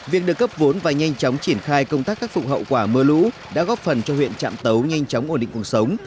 việc được cấp vốn và nhanh chóng triển khai công tác khắc phục hậu quả mưa lũ đã góp phần cho huyện trạm tấu nhanh chóng ổn định cuộc sống